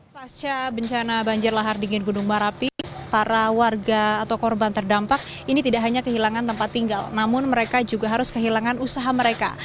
pasca bencana banjir lahar dingin gunung merapi para warga atau korban terdampak ini tidak hanya kehilangan tempat tinggal namun mereka juga harus kehilangan usaha mereka